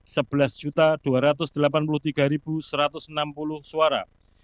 sebelas dua ratus delapan puluh tiga satu ratus enam puluh suara